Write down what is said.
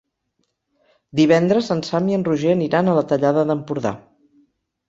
Divendres en Sam i en Roger aniran a la Tallada d'Empordà.